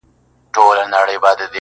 ستـا له خندا سره خبري كـوم.